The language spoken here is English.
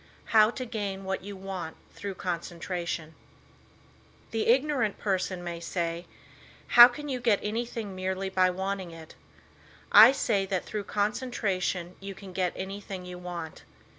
HOW TO GAIN WHAT YOU WANT THROUGH CONCENTRATION The ignorant person may say, "How can you get anything by merely wanting it? I say that through concentration you can get anything you want.